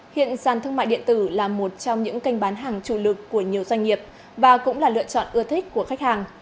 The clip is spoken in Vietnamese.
hiện sàn thương mại điện tử là một trong những kênh bán hàng chủ lực của nhiều doanh nghiệp và cũng là lựa chọn ưa thích của khách hàng